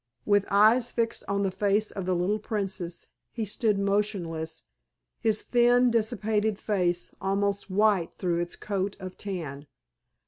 With eyes fixed on the face of the little Princess he stood motionless, his thin, dissipated face almost white through its coat of tan.